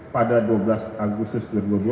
pada dua belas agustus dua ribu dua puluh